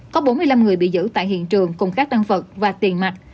có bốn mươi năm người bị giữ tại hiện trường cùng các đăng vật và tiền mạch